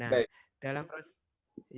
nah dalam proses